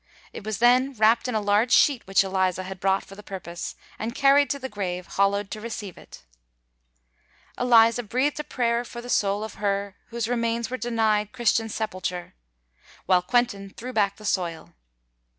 It was then wrapped in a large sheet which Eliza had brought for the purpose, and carried to the grave hollowed to receive it. Eliza breathed a prayer for the soul of her whose remains were denied Christian sepulture, while Quentin threw back the soil.